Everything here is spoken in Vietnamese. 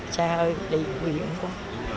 sa ơi đi nguy hiểm quá